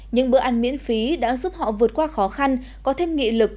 những bữa ăn miễn phí đã giúp họ vượt qua khó khăn có thêm nghị lực